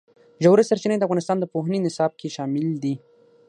ژورې سرچینې د افغانستان د پوهنې نصاب کې شامل دي.